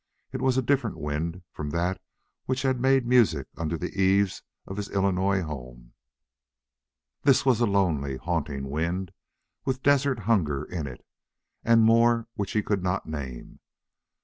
It was a different wind from that which had made music under the eaves of his Illinois home. This was a lonely, haunting wind, with desert hunger in it, and more which he could not name.